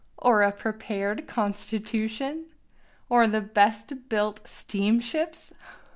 or a prepared constitution? or the best built steamships?